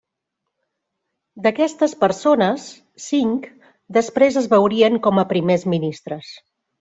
D'aquestes persones cinc després es veurien com a primers ministres.